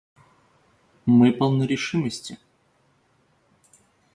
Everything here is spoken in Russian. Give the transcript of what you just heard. Мы полны решимости.